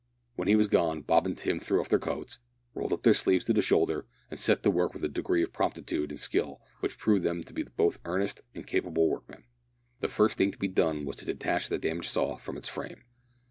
When he was gone Bob and Tim threw off their coats, rolled up their sleeves to the shoulder, and set to work with a degree of promptitude and skill which proved them to be both earnest and capable workmen. The first thing to be done was to detach the damaged saw from its frame.